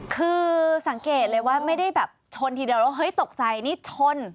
คือสังเกตเลยว่าไม่ได้แบบชนทีเดียวแล้วเฮ้ยตกใจนี่ชน